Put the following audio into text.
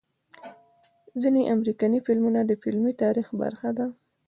ځنې امريکني فلمونه د فلمي تاريخ برخه ده